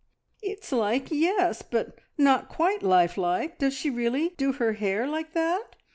"It's like yes, but not quite lifelike. Does she really do her hair like that?